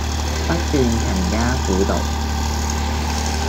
不斷勤加苦讀